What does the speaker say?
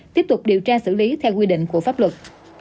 tiếp tục điều tra xử lý theo quy định của pháp luật